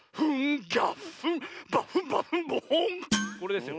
これですよ。